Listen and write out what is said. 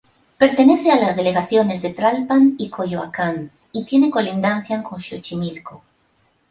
Pertenece a las delegaciones de Tlalpan y Coyoacán y tiene colindancia con Xochimilco.